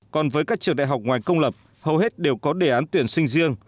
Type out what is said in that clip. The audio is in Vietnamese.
còn với các trường đại học ngoài công lập hầu hết đều có đề án tuyển sinh riêng